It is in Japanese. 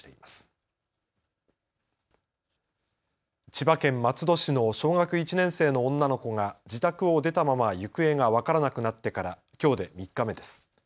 千葉県松戸市の小学１年生の女の子が自宅を出たまま行方が分からなくなってからきょうで３日目です。